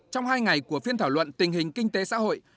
trong hai ngày của phiên thảo luận tình hình kinh tế xã hội